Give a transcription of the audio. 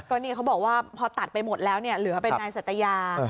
ก็นี่เขาบอกว่าพอตัดไปหมดแล้วเนี่ยเหลือเป็นนายสัตยา